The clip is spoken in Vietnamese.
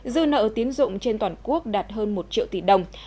dư nợ tiến dụng trên toàn quốc đạt hơn một triệu tỷ đồng